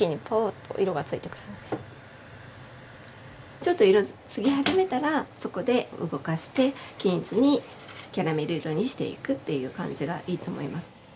ちょっと色つき始めたらそこで動かして均一にキャラメル色にしていくっていう感じがいいと思います。